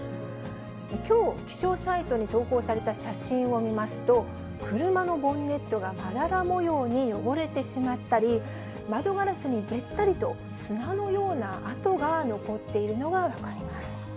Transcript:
きょう、気象サイトに投稿された写真を見ますと、車のボンネットがまだら模様に汚れてしまったり、窓ガラスにべったりと砂のような跡が残っているのが分かります。